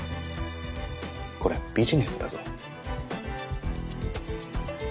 これはビジネスだぞ。